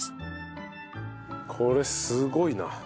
これすごいな。